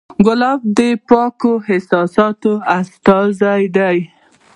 ګلاب د پاکو احساساتو استازی دی.